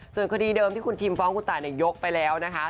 ส่วนคดีเดิมที่คุณทิมฟ้องคุณตายยกไปแล้วนะคะ